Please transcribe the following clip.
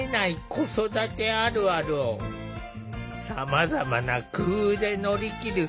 子育てあるあるをさまざまな工夫で乗り切る真大さんだ。